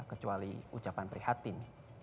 kecuali ucapan prihatin